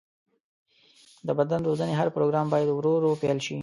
د بدني روزنې هر پروګرام باید ورو ورو پیل شي.